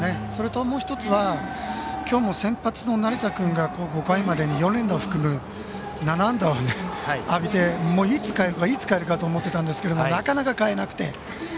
それと、もう１つはきょうも先発の成田君が５回までに４連打を含む７安打を浴びていつ代えるかと思っていたんですがなかなか代えなくて。